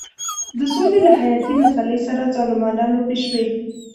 د سولې له حیاتي مسلې سره ظالمانه لوبې شوې.